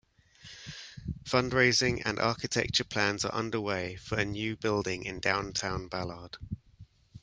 Fundraising and architecture plans are underway for a new building in downtown Ballard.